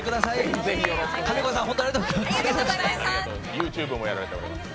ＹｏｕＴｕｂｅもやられております